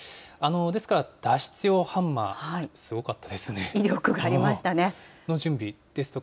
ですから、脱出用ハンマー、すごかったですね。